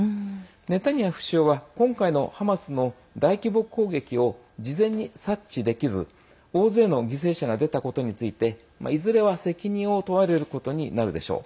ネタニヤフ首相は今回のハマスの大規模攻撃を事前に察知できず大勢の犠牲者が出たことについていずれは責任を問われることになるでしょう。